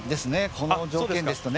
この条件ですとね。